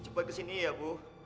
cepat ke sini ya bu